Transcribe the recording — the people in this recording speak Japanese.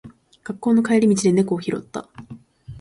学校の帰り道で猫を拾った。